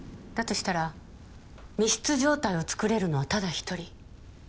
だとしたら密室状態を作れるのはただ一人。